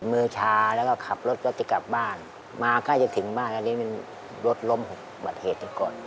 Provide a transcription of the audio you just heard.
มือชาแล้วก็ขับรถก็จะกลับบ้านมาใกล้จะถึงบ้านอันนี้มันรถล้มบัติเหตุกันก่อน